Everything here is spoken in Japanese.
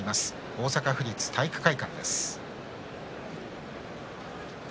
大阪府立体育会館です。